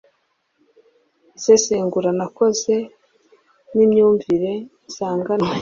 isesengura nakoze n'imyumvire nsanganwe